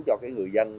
cho cái người dân